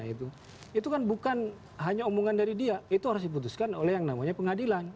itu kan bukan hanya omongan dari dia itu harus diputuskan oleh yang namanya pengadilan